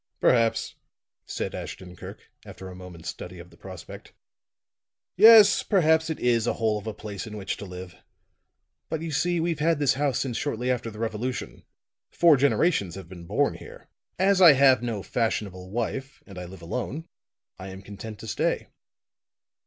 "Perhaps," said Ashton Kirk, after a moment's study of the prospect, "yes, perhaps it is a hole of a place in which to live. But you see we've had this house since shortly after the Revolution; four generations have been born here. As I have no fashionable wife and I live alone, I am content to stay.